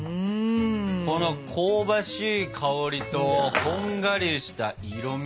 この香ばしい香りとこんがりした色み！